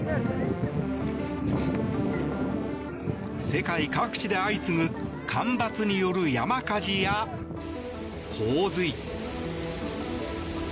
世界各地で相次ぐ干ばつによる山火事や洪水。